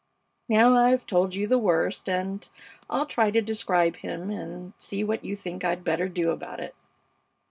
Now I've told you the worst, and I'll try to describe him and see what you think I'd better do about it.